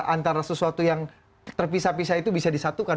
antara sesuatu yang terpisah pisah itu bisa disatukan